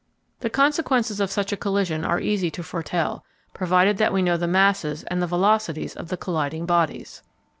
The consequences of such a collision are easy to foretell, provided that we know the masses and the velocities of the colliding bodies.